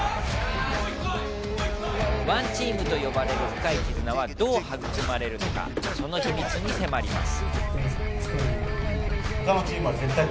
ＯＮＥＴＥＡＭと呼ばれる深い絆は、どう育まれるのかその秘密に迫ります。